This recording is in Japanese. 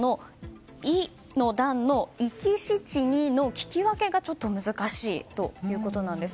「い」の段のいきしちにの聞き分けがちょっと難しいということです。